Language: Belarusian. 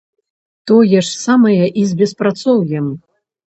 Тое ж самае і з беспрацоўем.